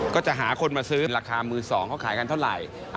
ก็จะหาคนมาซื้อราคามือสองเขาขายกันเท่าไหร่